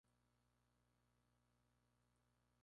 El sándwich se intentó presentar como una hamburguesa más grande.